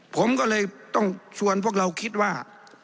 ผมก็เลยต้องชวนพวกเราคิดว่า